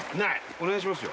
お願いしますよ